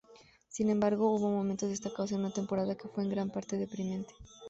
Sin embargo, hubo momentos destacados en una temporada que fue en gran parte deprimente.